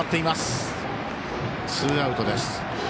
ツーアウトです。